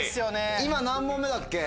今何問目だっけ？